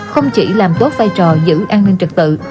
không chỉ làm tốt vai trò giữ an ninh trật tự